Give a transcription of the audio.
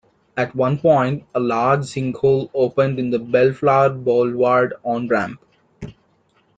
At one point a large sinkhole opened in the Bellflower Boulevard on-ramp.